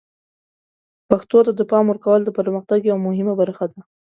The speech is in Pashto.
پښتو ته د پام ورکول د پرمختګ یوه مهمه برخه ده.